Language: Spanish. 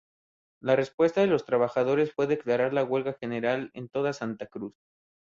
La respuesta de los trabajadores fue declarar la huelga general en toda Santa Cruz.